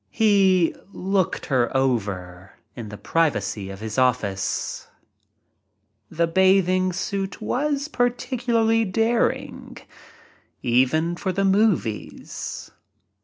He "looked her over" in the privacy of his office. The bathing suit was particularly daring — even for the movies.